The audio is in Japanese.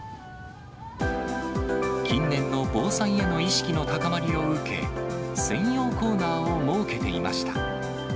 近年の防災への意識の高まりを受け、専用コーナーを設けていました。